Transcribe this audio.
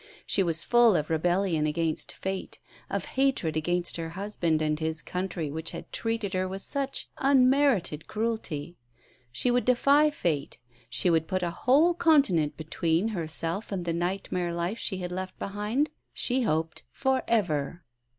She was full of rebellion against fate, of hatred against her husband and his country which had treated her with such unmerited cruelty. She would defy fate; she would put a whole continent between herself and the nightmare life she had left behind, she hoped for ever.